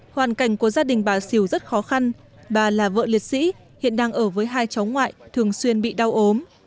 hoàn cảnh của gia đình bà xỉu rất khó khăn bà là vợ liệt sĩ hiện đang ở với hai cháu ngoại thường xuyên bị đau ốm